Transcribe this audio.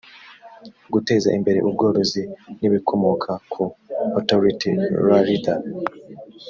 guteza imbere ubworozi n ibikomoka ku authority rarda